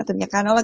atau minyak canola